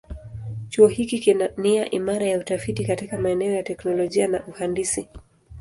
Chuo hiki kina nia imara ya utafiti katika maeneo ya teknolojia na uhandisi.